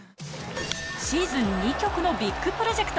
シーズン２曲のビッグプロジェクト。